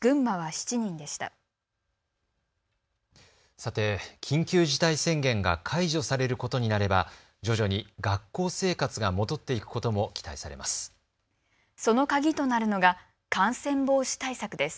さて、緊急事態宣言が解除されることになれば徐々に学校生活が戻っていくことも期待されます。